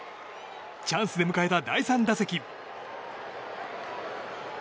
チャンスで迎えた第３打席。